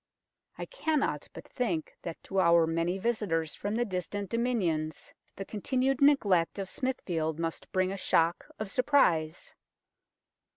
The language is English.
I cannot but think that to our many visitors from the distant Dominions the continued neglect of Smithfield must bring a shock of surprise.